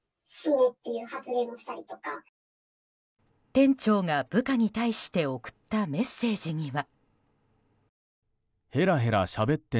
店長が部下に対して送ったメッセージには。